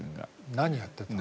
何やってたの？